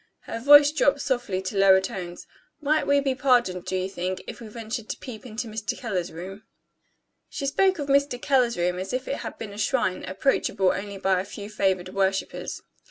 Her voice dropped softly to lower tones. "Might we be pardoned, do you think, if we ventured to peep into Mr. Keller's room?" She spoke of "Mr. Keller's room" as if it had been a shrine, approachable only by a few favored worshippers.